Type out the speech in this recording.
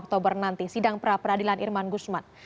dua puluh lima oktober nanti sidang praperadilan irman gusman